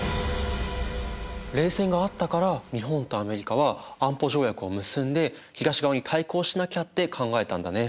冷戦があったから日本とアメリカは安保条約を結んで東側に対抗しなきゃって考えたんだね。